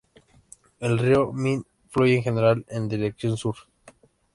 El río Min fluye en general en dirección sur.